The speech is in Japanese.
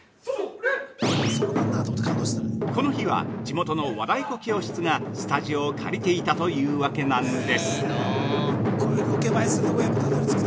この日は、地元の和太鼓教室がスタジオを借りていたというわけなんです。